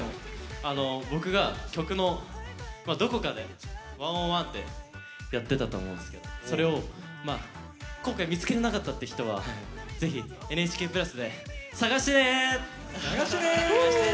僕が曲のどこかで「１０１」ってやってたと思うんですけどそれを今回見つけれなかったって人は、ぜひ探してね！